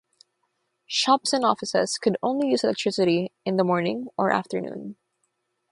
Shops and offices could only use electricity in the morning or afternoon.